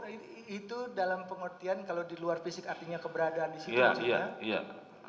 itu dalam pengertian kalau di luar fisik artinya keberadaan di situ juga